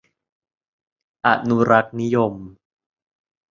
อนุรักษนิยม